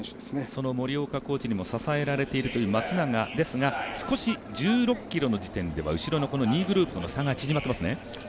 その森岡コーチにも支えられているという松永ですが少し、１６ｋｍ地点では後ろの２位グループとの差が縮まっていますね。